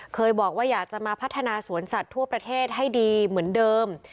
เคยบอกว่าอยากจะมาพัฒนาสวนสัตว์ทั่วประเทศให้ดีเหมือนเดิม